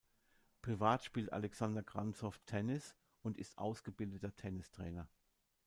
Privat spielt Alexander Granzow Tennis und ist ausgebildeter Tennistrainer.